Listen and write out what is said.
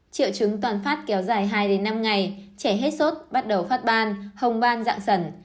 triệu chứng toàn phát kéo dài hai năm ngày trẻ hết sốt bắt đầu phát ban hồng ban dạng sẩn